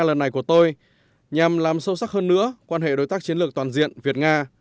chuyến thăm chính thức lần này của tôi nhằm làm sâu sắc hơn nữa quan hệ đối tác chiến lược toàn diện việt nga